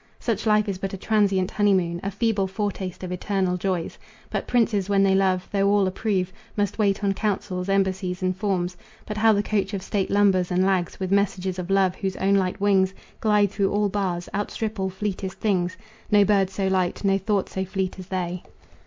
Such life is but a transient honeymoon, A feeble foretaste of eternal joys. But princes when they love, though all approve, Must wait on councils, embassies and forms. But how the coach of state lumbers and lags With messages of love whose own light wings Glide through all bars, outstrip all fleetest things No bird so light, no thought so fleet as they.